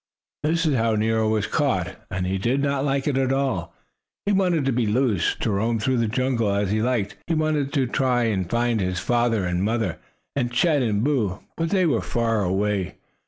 That is how Nero was caught, and he did not like it at all. He wanted to be loose, to roam through the jungle as he liked. He wanted to try to find his father and his mother and Chet and Boo. But they were far away.